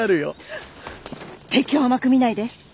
敵を甘く見ないで。